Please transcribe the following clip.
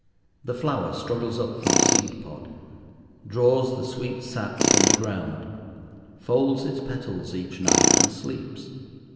The flower struggles up from seed pod, draws the sweet sap from the ground, folds its petals each night, and sleeps.